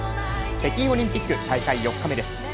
北京オリンピック大会４日目です。